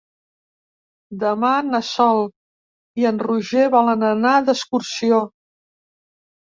Demà na Sol i en Roger volen anar d'excursió.